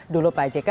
dulu pak jk